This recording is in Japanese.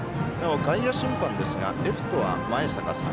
外野審判ですがレフトは前坂さん